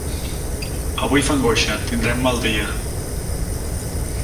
Avui fa angoixa: tindrem mal dia.